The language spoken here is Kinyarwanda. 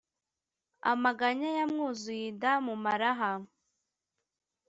Amaganya yamwuzuye inda mu maraha*.